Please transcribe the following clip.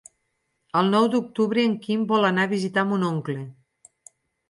El nou d'octubre en Quim vol anar a visitar mon oncle.